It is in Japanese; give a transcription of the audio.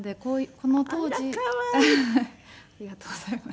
ありがとうございます。